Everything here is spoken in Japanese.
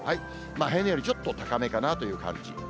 平年よりちょっと高めかなという感じ。